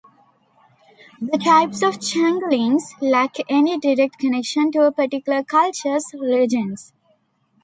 The types of changelings lack any direct connection to a particular culture's legends.